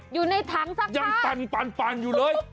อยู่ในถังสักพักยังปั่นอยู่เลย